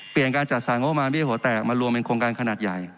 การจัดสรรงบประมาณเบี้ยหัวแตกมารวมเป็นโครงการขนาดใหญ่